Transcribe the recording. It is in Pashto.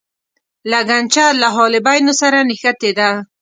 لګنچه له حالبینو سره نښتې ده.